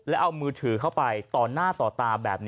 แล้วเอามือถือเข้าไปต่อหน้าต่อตาแบบนี้